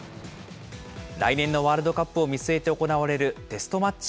来年のワールドカップを見据えて行われるテストマッチ